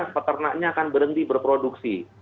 peternaknya akan berhenti berproduksi